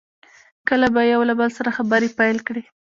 کله به یې یو له بل سره خبرې پیل کړې.